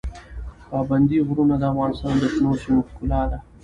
پابندی غرونه د افغانستان د شنو سیمو ښکلا ده.